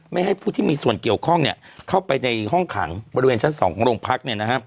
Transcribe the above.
ให้ผู้ที่มีส่วนเกี่ยวข้องเข้าไปในห้องขังบริเวณชั้น๒ของโรงพัก